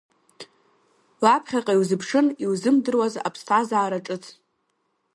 Лаԥхьаҟа илзыԥшын илзымдыруаз аԥсҭазаара ҿыц.